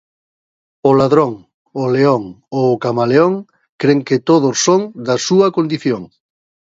O ladrón, o león ou o camaleón cren que todos son da súa condición.